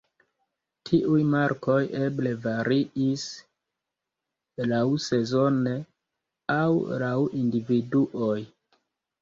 Tiuj markoj eble variis laŭsezone aŭ laŭ individuoj.